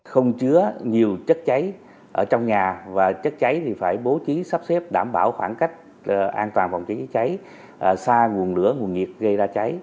không chứa nhiều chất cháy ở trong nhà và chất cháy thì phải bố trí sắp xếp đảm bảo khoảng cách an toàn phòng cháy cháy xa nguồn lửa nguồn nhiệt gây ra cháy